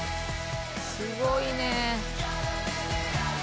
すごいね。